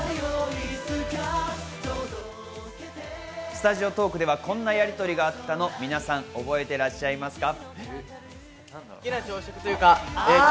スタジオトークではこんなやりとりがあったのを皆さん、覚えていらっしゃいますか？